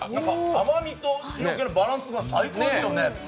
甘みと塩気のバランスが最高ですよね。